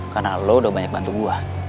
karena lo udah banyak bantu gue